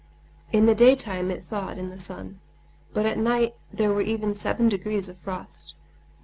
In the daytime it thawed in the sun, but at night there were even seven degrees of frost.